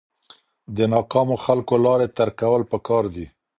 د ناکامو خلکو لارې ترک کول پکار دي.